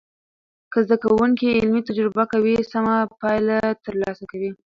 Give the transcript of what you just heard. که زده کوونکي علمي تجربه کوي، سمه پایله تر لاسه کوي.